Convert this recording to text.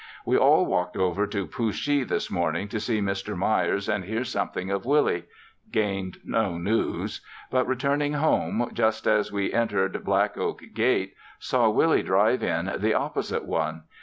We all walked over to Pooshee this morning to see Mr. Myers and hear something of Willie; gained no news; but returning home, just as we entered Black Oak gate, saw Willie drive in the opposite one.